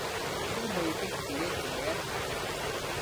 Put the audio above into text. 先可以逼自己同你一齊